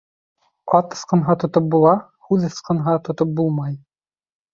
Ат ысҡынһа тотоп була, һүҙ ысҡынһа тотоп булмай.